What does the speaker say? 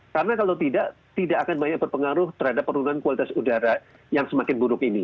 karena kalau tidak tidak akan banyak berpengaruh terhadap perunuhan kualitas udara yang semakin buruk ini